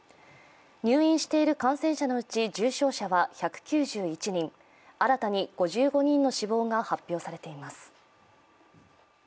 入院している感染者のうち重症者は１９１人、新たに５５人の死亡が発表されています。